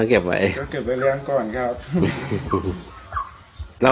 ต้องเก็บไว้เลี้ยงก่อนครับ